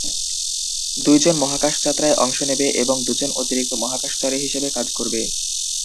দুই জন মহাকাশ যাত্রায় অংশ নেবে এবং দুজন অতিরিক্ত মহাকাশচারী হিসাবে কাজ করবে।